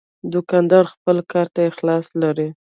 دوکاندار خپل کار ته اخلاص لري.